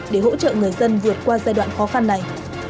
để hỗ trợ người dân vượt qua giai đoạn khó khăn này